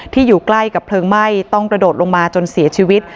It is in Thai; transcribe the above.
อยู่ใกล้กับเพลิงไหม้ต้องกระโดดลงมาจนเสียชีวิต